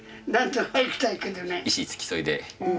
医師付き添いで。